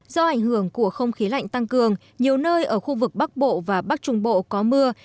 do ảnh hưởng của không khí lạnh tăng cường nhiều nơi ở khu vực bắc bộ và bắc trung bộ có mưa